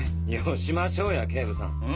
へっよしましょうや警部さん。